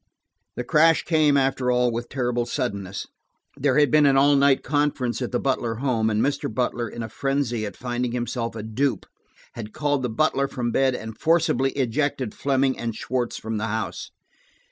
The crash came, after all, with terrible suddenness. There had been an all night conference at the Butler home, and Mr. Butler, in a frenzy at finding himself a dupe, had called the butler from bed and forcibly ejected Fleming and Schwartz from the house.